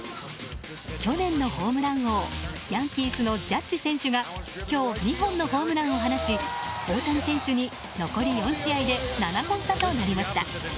去年のホームラン王ヤンキースのジャッジ選手が今日、２本のホームランを放ち大谷選手に残り４試合で７本差となりました。